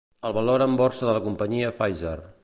El valor en borsa de la companyia Pfizer.